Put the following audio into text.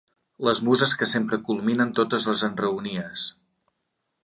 Les muses que sempre culminen totes les enraonies.